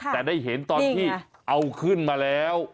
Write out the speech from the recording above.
แต่ได้เห็นตอนที่เอาขึ้นมาแล้ว